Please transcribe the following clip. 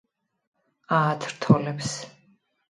აათრთოლებს